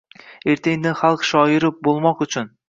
Erta-indin xalq shoiri boʼlmoq uchun